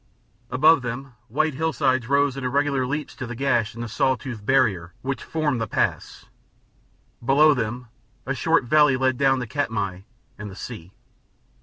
Above them, white hillsides rose in irregular leaps to the gash in the saw toothed barrier which formed the pass; below them a short valley led down to Katmai and the sea.